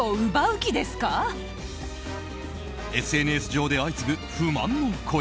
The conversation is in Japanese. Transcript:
ＳＮＳ上で相次ぐ不満の声。